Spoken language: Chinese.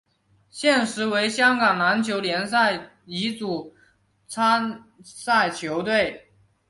现时为香港篮球联赛乙组参赛球队。